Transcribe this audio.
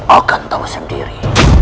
akan tahu sendiri